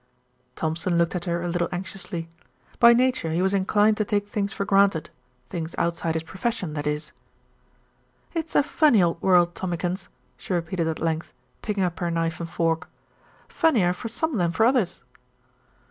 Thompson looked at her a little anxiously. By nature he was inclined to take things for granted, things outside his profession that is. "It's a funny old world, Tommikins," she repeated at length, picking up her knife and fork, "funnier for some than for others."